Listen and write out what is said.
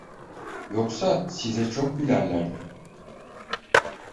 Yoksa size çok gülerlerdi!